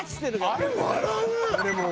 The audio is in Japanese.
あれ笑う？